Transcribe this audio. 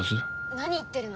何言ってるの？